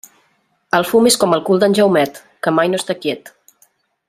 El fum és com el cul d'en Jaumet, que mai no està quiet.